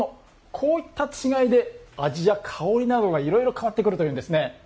こういった違いで味や香りなどがいろいろ変わってくるというんですね。